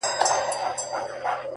o زما خوبـونو پــه واوښـتـل؛